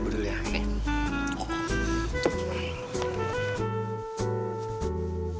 serius harus dilihat